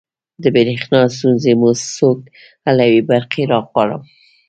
د بریښنا ستونزې مو څوک حلوی؟ برقي راغواړم